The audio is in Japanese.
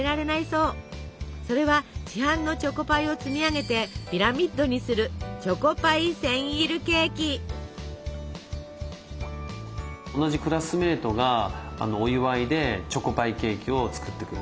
それは市販のチョコパイを積み上げてピラミッドにする同じクラスメートがお祝いでチョコパイケーキを作ってくれて。